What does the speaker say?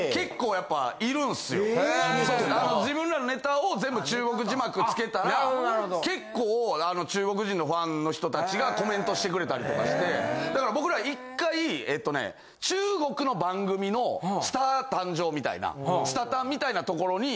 自分らのネタを全部中国字幕つけたら結構中国人のファンの人たちがコメントしてくれたりとかしてだから僕ら１回中国の番組の『スター誕生！』みたいな『スタ誕』みたいなところに。